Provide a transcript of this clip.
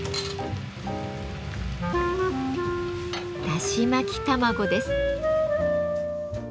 だし巻き卵です。